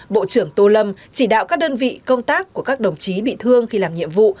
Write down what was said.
bộ trưởng tô lâm chỉ đạo các đơn vị công tác của các đồng chí bị thương khi làm nhiệm vụ